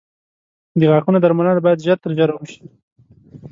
• د غاښونو درملنه باید ژر تر ژره وشي.